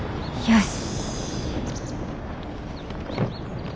よし。